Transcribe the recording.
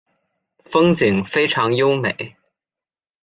风景非常优美。